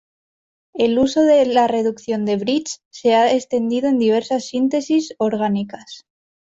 El uso de la reducción de Birch se ha extendido en diversas síntesis orgánicas.